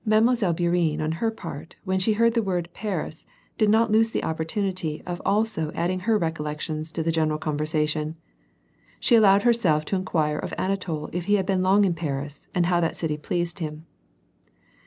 Mile. Bourienne on her part, when she heard the word " Paris," did not lose the opportunity of also adding her recol lections to the general conversation. She allowed herself to inquire of Anatol if he had been long in Paris, and how that city pleased him.